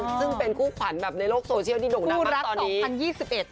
อ่าซึ่งเป็นคู่ขวัญแบบในโลกโซเชียลที่ดงนั้นมากตอนนี้คู่รักสองพันยี่สิบเอ็ด